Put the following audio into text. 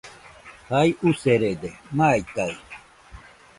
Jai userede, maikaɨ